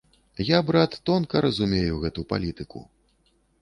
Я, брат, тонка разумею гэту палітыку.